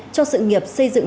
cho sự nghiệp xây dựng